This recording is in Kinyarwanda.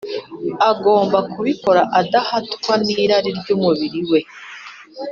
Agomba kubikora adahatwa n’irari ry’umubiri we